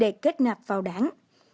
để kết nạp vào đảng